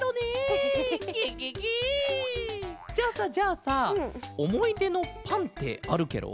じゃあさじゃあさおもいでのパンってあるケロ？